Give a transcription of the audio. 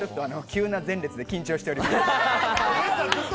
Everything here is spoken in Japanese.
急な前列で緊張しております。